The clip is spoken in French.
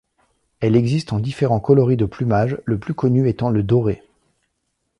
Elle existe en différents coloris de plumages, le plus connu étant le doré.